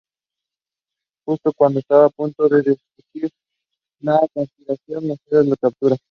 Justo cuando está a punto de descubrir la conspiración, "Mecenas" lo captura.